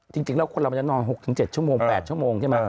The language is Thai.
จริงแล้วคนเรามันจะนอน๖๗ชั่วโมง๘ชั่วโมงใช่ไหม